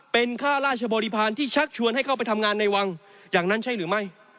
เป็นค่าราชบริพาณที่ชักชวนให้เข้าไปทำงานในวังอย่างนั้นใช่หรือไม่